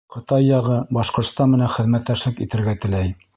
Ҡытай яғы Башҡортостан менән хеҙмәттәшлек итергә теләй.